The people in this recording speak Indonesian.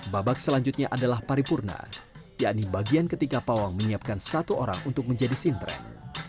babak selanjutnya adalah paripurna yakni bagian ketika pawang menyiapkan satu orang untuk menjadi sintren